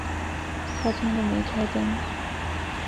客厅都没开灯